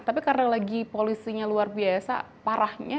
tapi karena lagi polisinya luar biasa parahnya